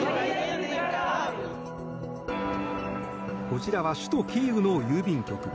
こちらは首都キーウの郵便局。